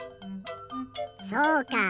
そうか。